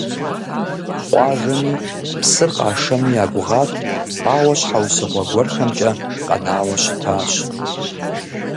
Къуажэми псыр къашэну ягугъат, ауэ щхьэусыгъуэ гуэрхэмкӀэ къэнауэ щытащ.